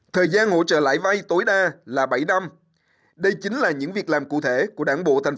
thời gian hỗ trợ lãi vay tối đa là bảy năm đây chính là những việc làm cụ thể của đảng bộ thành